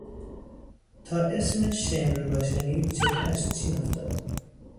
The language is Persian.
تا اسم شمر را شنید چهرهاش چین افتاد.